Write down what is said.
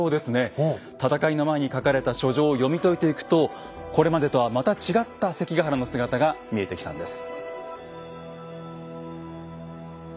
戦いの前に書かれた書状を読み解いていくとこれまでとはまた違った関ヶ原の姿が見えてきたんです。